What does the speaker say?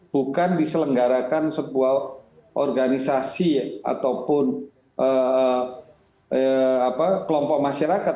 bukan diselenggarakan sebuah organisasi ataupun kelompok masyarakat